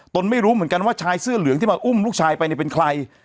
ไม่รู้เหมือนกันว่าชายเสื้อเหลืองที่มาอุ้มลูกชายไปเนี่ยเป็นใคร